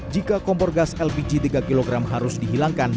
jika kompor gas lpg tiga kg harus dihilangkan